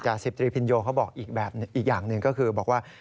สิบตรีพินโยเขาบอกอีกแบบอีกอย่างหนึ่งก็คือบอกว่า